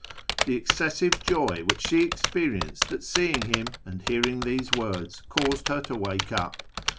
The excessive joy which she experienced at seeing him and hearing these words caused her to wake up.